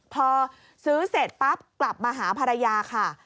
พอซื้อเสร็จปั๊บกลับมาหาภรรยาค่ะ